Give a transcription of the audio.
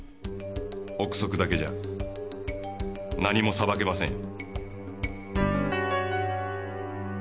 憶測だけじゃ何も裁けません。